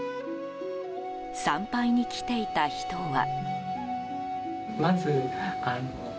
参拝に来ていた人は。